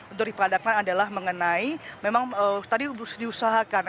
untuk dipadakan adalah mengenai memang tadi diusahakan